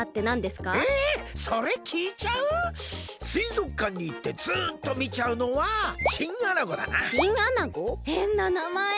すいぞくかんにいってずっとみちゃうのはへんななまえ！